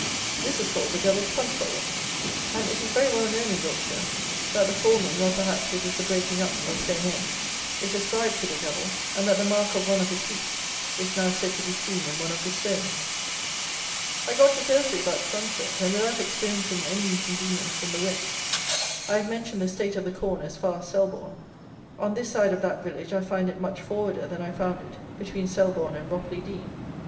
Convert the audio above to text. This is called the "Devil's Punch Bowl;" and it is very well known in Wiltshire, that the forming, or, perhaps, it is the breaking up, of Stonehenge is ascribed to the Devil, and that the mark of one of his feet is now said to be seen in one of the stones. I got to Thursley about sunset, and without experiencing any inconvenience from the wet. I have mentioned the state of the corn as far as Selborne. On this side of that village I find it much forwarder than I found it between Selborne and Ropley Dean.